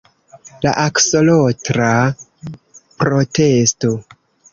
La aksolotla protesto